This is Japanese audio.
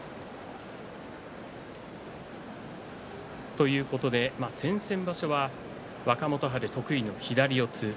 ということで先々場所は若元春得意の左四つ。